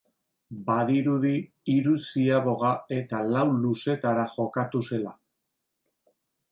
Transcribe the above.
Badirudi hiru ziaboga eta lau luzetara jokatu zela.